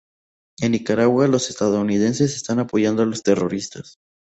En Nicaragua, los estadounidenses están apoyando a los terroristas".